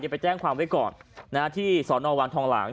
ไปแจ้งความไว้ก่อนที่สอนอวังทองหลาง